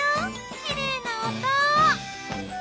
きれいな音！